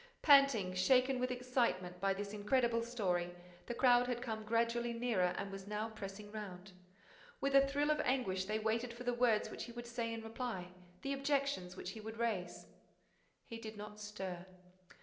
Panting, shaken with excitement by this incredible story, the crowd had come gradually nearer and was now pressing round. With a thrill of anguish, they waited for the words which he would say in reply, the objections which he would raise. He did not stir.